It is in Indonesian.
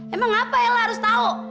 emang apa ella harus tahu